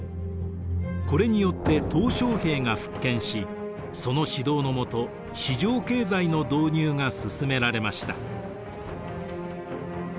これによって小平が復権しその指導の下市場経済の導入が進められました。